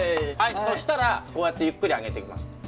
そしたらこうやってゆっくり上げていきます。